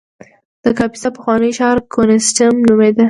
د کاپیسا د پخواني ښار کوینټیسیم نومېده